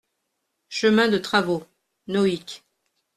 Chemin de Travaux, Nohic